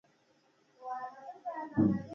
غټه ګوله هغه مهال تېرېږي، چي په خوله کښي ښه وژول سي.